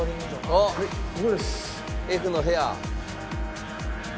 あっＦの部屋。